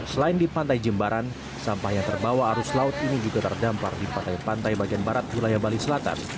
selain di pantai jembaran sampah yang terbawa arus laut ini juga terdampar di pantai pantai bagian barat wilayah bali selatan